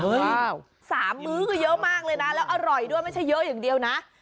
ข้าว๓มื้อคือเยอะมากเลยนะแล้วอร่อยด้วยไม่ใช่เยอะอย่างเดียวนะ